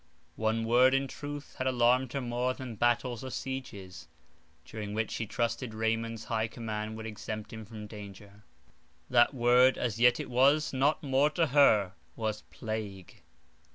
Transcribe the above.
One word, in truth, had alarmed her more than battles or sieges, during which she trusted Raymond's high command would exempt him from danger. That word, as yet it was not more to her, was PLAGUE.